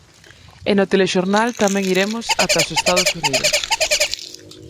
E no telexornal tamén iremos ata os Estados Unidos.